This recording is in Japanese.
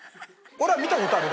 俺ら見た事ある？